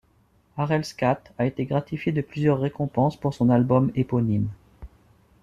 Harel Skaat a été gratifié de plusieurs récompenses pour son album éponyme.